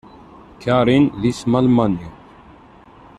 Karin d isem almani.